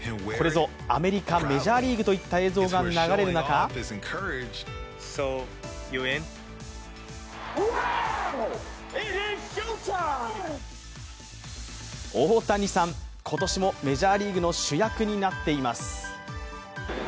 これぞアメリカ・メジャーリーグといった映像が流れる中オオタニサン、今年もメジャーリーグの主役になっています。